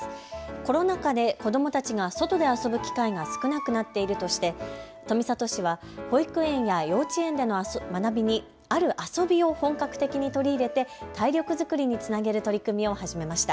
コロナ禍で子どもたちが外で遊ぶ機会が少なくなっているとして富里市は保育園や幼稚園での学びにある遊びを本格的に取り入れて体力作りにつなげる取り組みを始めました。